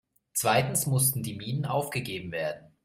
Zweitens mussten die Minen aufgegeben werden.